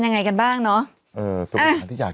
ใกล้กินตับอ่ะ